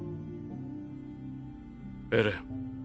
エレン。